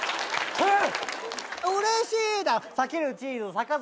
えっ！？